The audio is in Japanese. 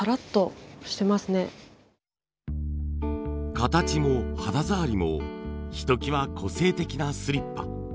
形も肌触りもひときわ個性的なスリッパ。